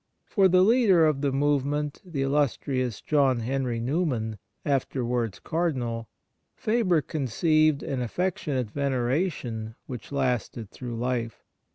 For the leader of the move ment, the illustrious John Henry Newman, afterwards Cardinal, Faber conceived an affectionate veneration which lasted through life.